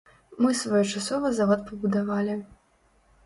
Мы своечасова завод пабудавалі.